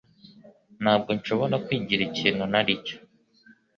Ntabwo nshobora kwigira ikintu ntari cyo.